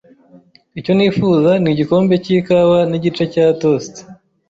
Icyo nifuza ni igikombe cyikawa nigice cya toast.